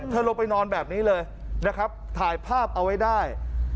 ลงไปนอนแบบนี้เลยนะครับถ่ายภาพเอาไว้ได้